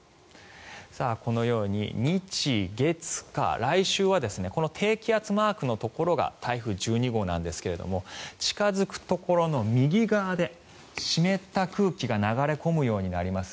このように日月火来週はこの低気圧マークのところが台風１２号なんですが近付くところの右側で湿った空気が流れ込むようになります。